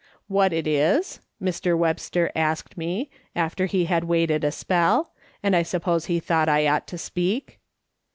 ' What it is V Mr. Webster asked me, after he had waited a spell, and I suppose he thought I ought to speak.